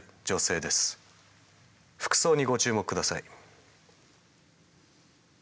服装にご注目下さい。